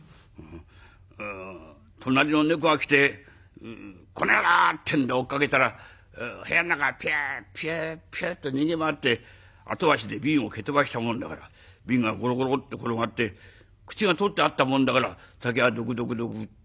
『隣の猫が来てコノヤローってんで追っかけたら部屋の中ピュピュピュッと逃げ回って後足で瓶を蹴飛ばしたもんだから瓶がゴロゴロゴロッと転がって口が取ってあったもんだから酒がドクドクドク』。